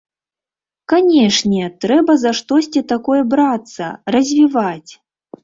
Канечне, трэба за штосьці такое брацца, развіваць.